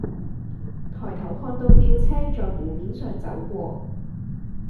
抬頭看到吊車在湖面上走過